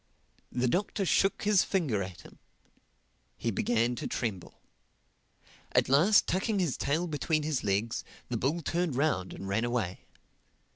The Doctor shook his finger at him. He began to tremble. At last, tucking his tail between his legs, the bull turned round and ran away.